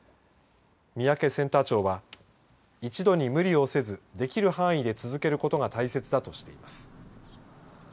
三宅センター長は一度に無理をせずできる範囲で続けることが大切だとしています。